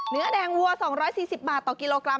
เนื้อแดงวัว๒๔๐บาทต่อกิโลกรัม